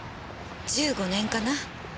１５年かな。